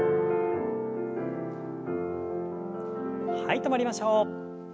はい止まりましょう。